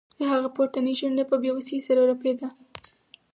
د هغه پورتنۍ شونډه په بې وسۍ سره رپیده